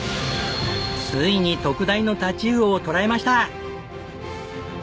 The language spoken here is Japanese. ついに特大の太刀魚を捕らえました！